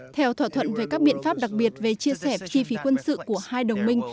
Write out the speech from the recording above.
theo thỏa thuận về các biện pháp đặc biệt về chia sẻ chi phí quân sự của hai đồng minh